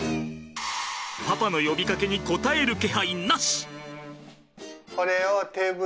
パパの呼びかけに答える気配なし。